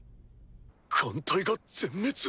艦隊が全滅⁉